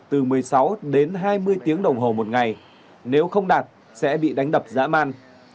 từ một mươi sáu đến hai mươi tiếng đồng hồ một ngày nếu không đạt sẽ bị đánh đập dã man